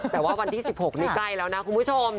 แต่ว่าวันที่๑๖นี้ใกล้แล้วนะคุณผู้ชม